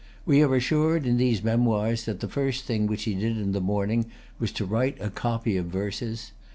We are assured in these Memoirs that the first thing which he did in the morning was to write a copy of verses.